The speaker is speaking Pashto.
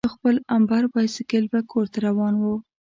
پر خپل امبر بایسکل به کورته روان وو.